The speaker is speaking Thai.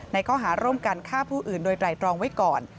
ข้อหาร่วมกันฆ่าผู้อื่นโดยไตรตรองไว้ก่อน